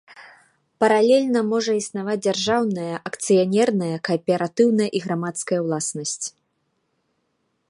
Паралельна можа існаваць дзяржаўная, акцыянерная, кааператыўная і грамадская ўласнасць.